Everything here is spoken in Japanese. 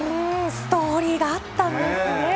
ストーリーがあったんですね。